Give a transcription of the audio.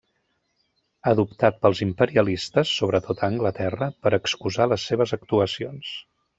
Adoptat pels imperialistes, sobretot a Anglaterra, per excusar les seves actuacions.